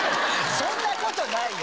そんな事ないよ。